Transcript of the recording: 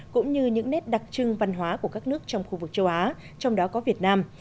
cũng như những nét đặc trưng văn hóa của các nước trong khu vực châu á trong đó có việt nam